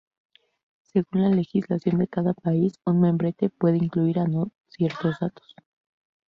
Según la legislación de cada país, un membrete puede incluir o no ciertos datos.